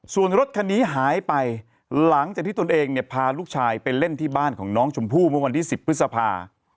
ส่วนรถคันนี้หายไปหลังจากที่ตนเองเนี่ยพาลูกชายไปเล่นที่บ้านของน้องชมพู่เมื่อวันที่๑๐พฤษภา